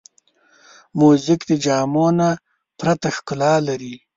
موزیک د جامو نه پرته ښکلا لري.